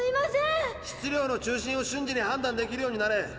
質量の中心を瞬時に判断できるようになれ。